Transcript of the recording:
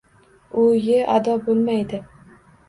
O’yi ado bo’lmaydi.